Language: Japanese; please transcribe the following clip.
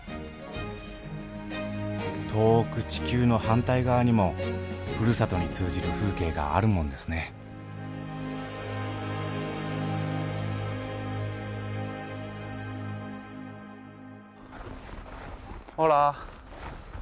遠く地球の反対側にもふるさとに通じる風景があるもんですねえオラ。